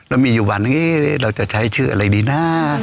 แล้วมีอยู่วันหนึ่งเราจะใช้ชื่ออะไรดีนะ